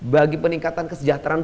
bagi peningkatan kesejahteraan